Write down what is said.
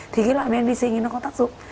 thì cái loại men vi sinh ấy nó có tác dụng